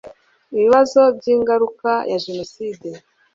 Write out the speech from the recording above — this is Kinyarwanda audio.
ibibazo by'ingaruka ya jenoside